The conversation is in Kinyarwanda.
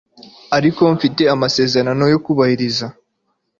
Ariko mfite amasezerano yo kubahiriza